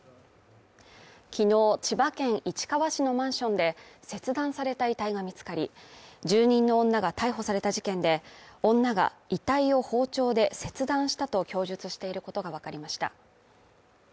昨日、千葉県市川市のマンションで切断された遺体が見つかり、住人の女が逮捕された事件で、女が遺体を包丁で切断したと供述していることがわかりました。